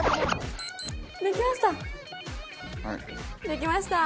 できました！